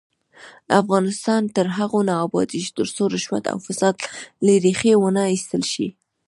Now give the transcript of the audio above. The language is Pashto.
افغانستان تر هغو نه ابادیږي، ترڅو رشوت او فساد له ریښې ونه ایستل شي.